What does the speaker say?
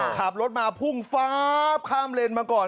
ขับรถมาพุ่งฟ้าข้ามเลนมาก่อน